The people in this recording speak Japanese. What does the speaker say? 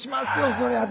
そりゃあ。